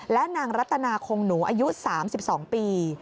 และนางรัตนาคงหนูอายุ๓๒ปี